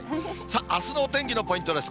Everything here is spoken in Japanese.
あすのお天気のポイントです。